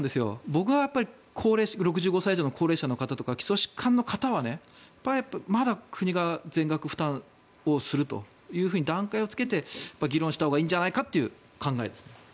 僕は６５歳以上の高齢者とか基礎疾患の方はまだ国が全額負担をするというふうに段階をつけて議論したほうがいいんじゃないかという考えです。